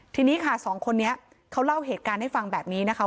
ทีนี้ค่ะสองคนนี้เขาเล่าเหตุการณ์ให้ฟังแบบนี้นะคะ